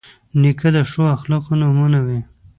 نیکه د ښو اخلاقو نمونه وي.